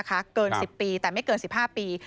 เกิน๑๐ปีแต่ไม่เกิน๑๕ปี